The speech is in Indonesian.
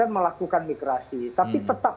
melakukan migrasi tapi tetap